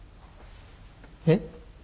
えっ？